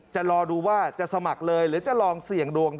จะรอดูว่าจะสมัครเลยหรือจะลองเสี่ยงดวง